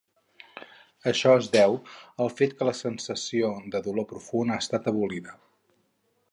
Això es deu al fet que la sensació de dolor profund ha estat abolida.